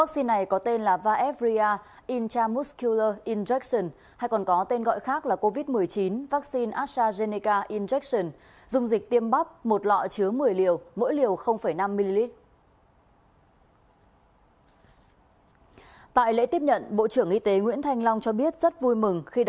xin chào và hẹn gặp lại